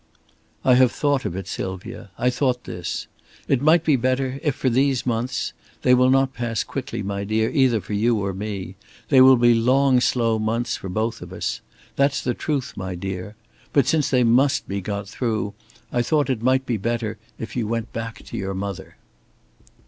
"I have thought of it, Sylvia. I thought this. It might be better if, for these months they will not pass quickly, my dear, either for you or me. They will be long slow months for both of us. That's the truth, my dear. But since they must be got through, I thought it might be better if you went back to your mother."